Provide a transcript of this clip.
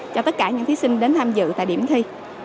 cho tất cả những thí sinh đến tham dự tại điểm thi